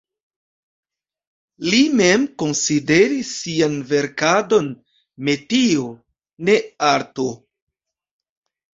Li mem konsideris sian verkadon metio, ne arto.